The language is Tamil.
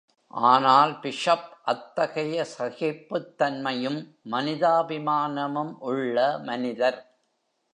ஆனால் - பிஷப் அத்தகைய சகிப்புத்தன்மையும், மனிதாபிமானமும் உள்ள மனிதர்.